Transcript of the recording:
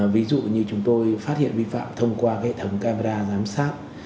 ví dụ như chúng tôi phát hiện vi phạm thông qua hệ thống camera giám sát